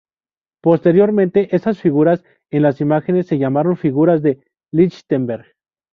Posteriormente esas figuras en las imágenes se llamaron figuras de Lichtenberg.